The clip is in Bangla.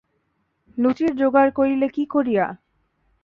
লুচির জোগাড় করিলে কী করিয়া?